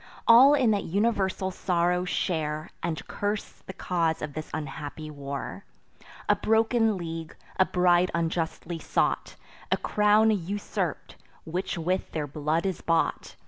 All in that universal sorrow share, And curse the cause of this unhappy war: A broken league, a bride unjustly sought, A crown usurp'd, which with their blood is bought!